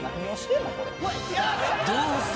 ［どうする？